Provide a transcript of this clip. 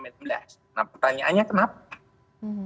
nah pertanyaannya kenapa